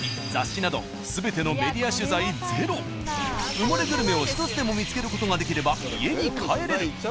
埋もれグルメを１つでも見つける事ができれば家に帰れる。